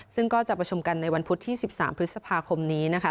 ซึ่งก็จะประชุมกันในวันพุธที่๑๓พฤษภาคมนี้นะคะ